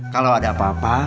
kalau ada apa apa